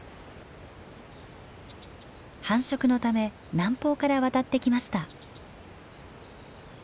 繁殖のため南方から渡ってきました。